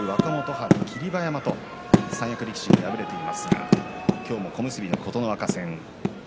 春霧馬山という三役力士に敗れていますが今日も小結の琴ノ若戦。